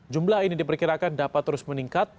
jumlah ini diperkirakan dapat terus meningkat